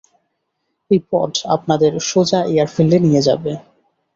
এই পড আপনাদের সোজা এয়ারফিল্ডে নিয়ে যাবে।